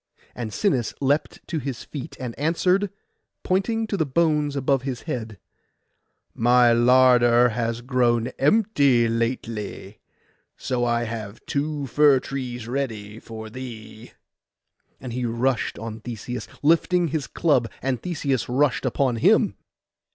And Sinis leapt to his feet, and answered, pointing to the bones above his head, 'My larder has grown empty lately, so I have two fir trees ready for thee.' And he rushed on Theseus, lifting his club, and Theseus rushed upon him.